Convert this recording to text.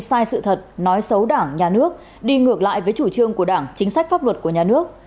sai sự thật nói xấu đảng nhà nước đi ngược lại với chủ trương của đảng chính sách pháp luật của nhà nước